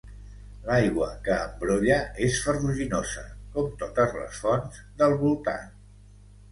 L'aigua que en brolla és ferruginosa, com totes les fonts del voltant.